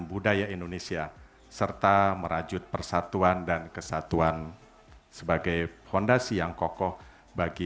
budaya indonesia serta merajut persatuan dan kesatuan sebagai fondasi yang kokoh bagi